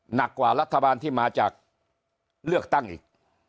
หนักกว่ารัฐบาลที่มาจากเลือกตั้งอีก